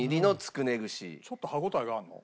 ちょっと歯応えがあるの？